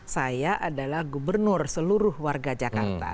saya adalah gubernur seluruh warga jakarta